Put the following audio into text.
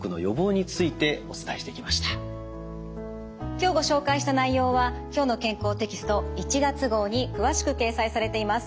今日ご紹介した内容は「きょうの健康」テキスト１月号に詳しく掲載されています。